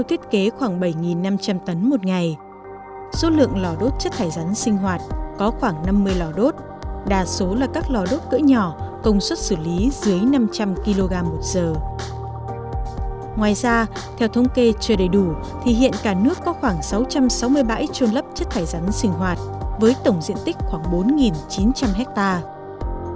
theo thông kê chưa đầy đủ thì hiện cả nước có khoảng sáu trăm sáu mươi bảy trôn lấp chất thải rắn sinh hoạt với tổng diện tích khoảng bốn chín trăm linh hectare